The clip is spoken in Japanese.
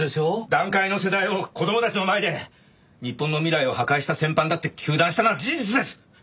団塊の世代を子供たちの前で日本の未来を破壊した戦犯だって糾弾したのは事実です！